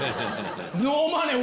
ノーマネー！